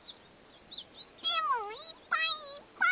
レモンいっぱいいっぱい！